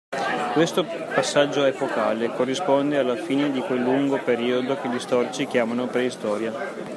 Questo passaggio epocale corrisponde alla fine di quel lungo periodo che gli storici chiamano Preistoria.